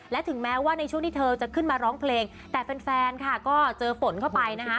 และถึงแม้ว่าในช่วงที่เธอจะขึ้นมาร้องเพลงแต่แฟนค่ะก็เจอฝนเข้าไปนะคะ